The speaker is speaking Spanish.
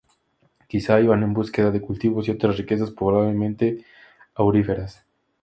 Quizá iban en búsqueda de cultivos y otras riquezas probablemente auríferas.